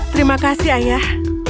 terima kasih ayah